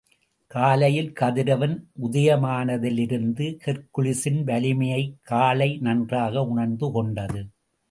காலையில் கதிரவன் உதயமானதிலிருந்து ஹெர்க்குலிஸின் வலிமையைக் காளை நன்றாக உணர்ந்துகொண்டது.